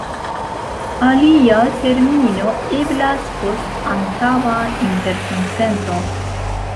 Alia termino eblas post antaŭa interkonsento.